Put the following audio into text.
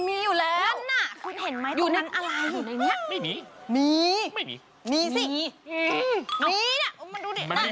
มีน่ะอุ้มันดูเดี๋ยวน่าดู